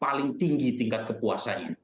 paling tinggi tingkat kepuasanya